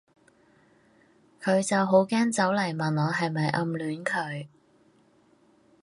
佢就好驚走嚟問我係咪暗戀佢